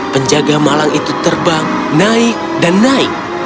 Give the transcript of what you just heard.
penjaga malang itu terbang naik dan naik